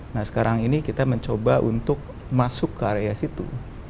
nah sekarang ini kita mencoba untuk masuk ke area situ